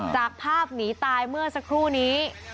จากภาพหนีตายเมื่อสักครู่นี้